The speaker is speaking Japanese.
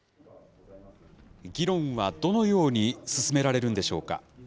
議論はどのように進められるんでしょうか。